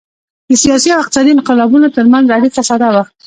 د سیاسي او اقتصادي انقلابونو ترمنځ اړیکه ساده وه